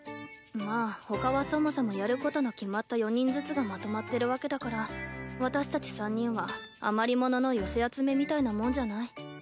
まあほかはそもそもやることの決まった４人ずつがまとまってるわけだから私たち３人は余り物の寄せ集めみたいなもんじゃない。